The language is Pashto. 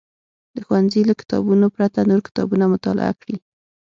د ښوونځي له کتابونو پرته نور کتابونه مطالعه کړي.